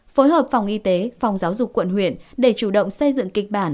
phối hợp phòng y tế phòng giáo dục quận huyện để chủ động xây dựng kịch bản